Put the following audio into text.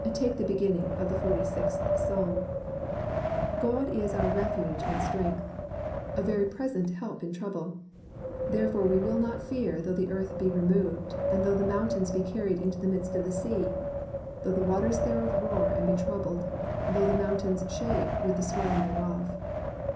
Take the beginning of the Forty sixth Psalm: "God is our refuge and strength, a very present 21 COMPANIONABLE BOOKS help in trouble. Therefore \rill not we fear, though the earth be removed, and though the mountains be carried into the midst of the sea; though the waters thereof roar and be troubled, though the mountains shake with the swelling thereof."